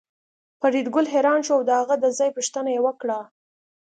فریدګل حیران شو او د هغه د ځای پوښتنه یې وکړه